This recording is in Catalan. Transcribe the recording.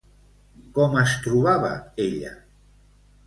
Com es trobava ella?